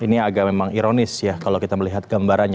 ini agak memang ironis ya kalau kita melihat gambarannya